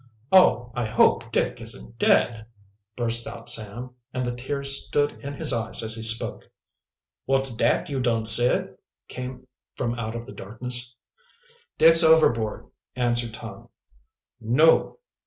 "Oh, I hope Dick isn't dead!" burst out Sam, and the tears stood in his eyes as he spoke. "Wot's dat you dun said?" came from out of the darkness. "Dick's overboard," answered Tom. "No!"